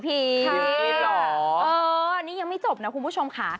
พี่หรอเออนี่ยังไม่จบนะคุณผู้ชมค่ะ